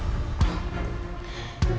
kamu mau ke rumah